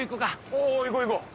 お行こう行こう。